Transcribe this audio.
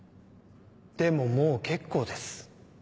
でももう結構です。